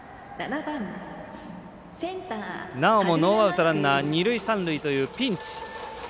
なおもノーアウトランナー、二塁三塁というピンチ。